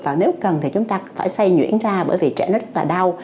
và nếu cần thì chúng ta phải xây nhuyễn ra bởi vì trẻ nó rất là đau